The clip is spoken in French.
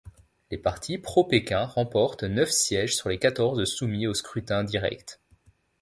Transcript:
Les partis pro-Pékin remportent neuf sièges sur les quatorze soumis au scrutin direct.